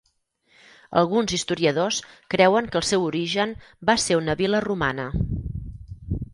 Alguns historiadors creuen que el seu origen va ser una vil·la romana.